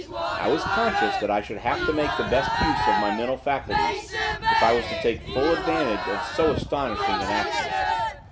I was conscious that I should have to make the best use of my mental faculties if I was to take full advantage of so astonishing an accident.